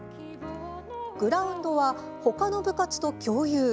グラウンドは、ほかの部活と共有。